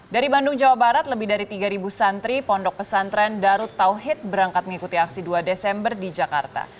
dari bandung jawa barat lebih dari tiga santri pondok pesantren darut tauhid berangkat mengikuti aksi dua desember di jakarta